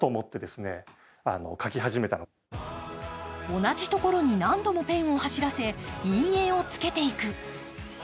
同じところに何度もペンを走らせ陰影をつけていく。